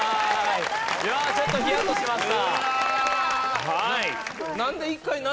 いやちょっとヒヤッとしました。